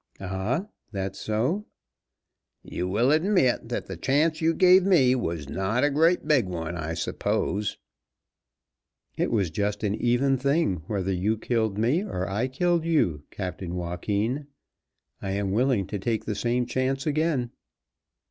"Ah! that so?" "You will admit that the chance you gave me was not a great big one, I suppose." "It was just an even thing whether you killed me or I killed you, Captain Joaquin. I am willing to take the same chance again."